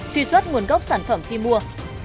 truy xuất nguồn gốc sản phẩm khi mua